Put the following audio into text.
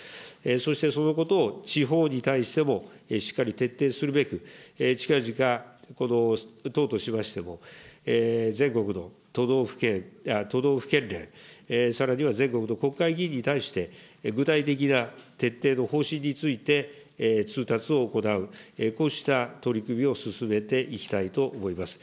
そしてそのことを地方に対してもしっかり徹底するべく、ちかぢか、この党としましても、全国の都道府県連、さらには全国の国会議員に対して、具体的な徹底の方針について、通達を行う、こうした取り組みを進めていきたいと思います。